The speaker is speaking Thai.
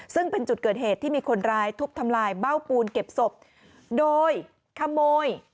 ซึ่งเป็นจุดเกิดเหตุที่มีคนร้ายทุบทำลายเบ้าปูนเก็บศพโดยขโมย